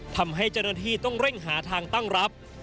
ทำให้เจ้าหน้าที่ต้องเร่งหาทางตั้งรับ